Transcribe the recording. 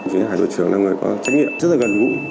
chính hải đội trưởng là một người có trách nhiệm rất là gần gũ